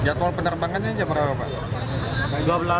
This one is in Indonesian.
jadwal penerbangannya jam berapa pak